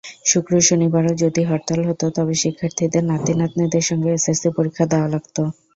শুক্র–শনিবারও যদি হরতাল হতো, তবে শিক্ষার্থীদের নাতি-নাতনিদের সঙ্গে এসএসসি পরীক্ষা দেওয়া লাগত।